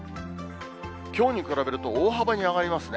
きょうに比べると大幅に上がりますね。